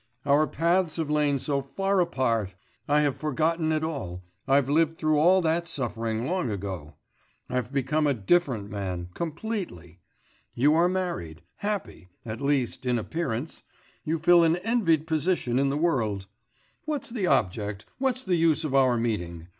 Our paths have lain so far apart! I have forgotten it all, I've lived through all that suffering long ago, I've become a different man completely; you are married happy, at least, in appearance you fill an envied position in the world; what's the object, what's the use of our meeting?